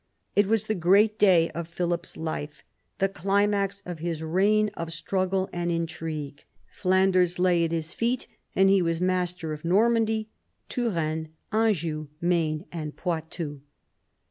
It was the great day of Philip's life, the climax of his reign of struggle and intrigue/ Flanders lay at his feet, and he was master of Normandy, Touraine, Anjou, Maine, and Poitou.